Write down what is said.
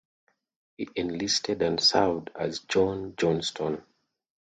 He enlisted and served as John Johnstone.